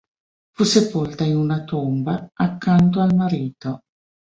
Fu sepolta in una tomba accanto al marito.